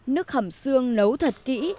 nước hầm xương nấu thật kỹ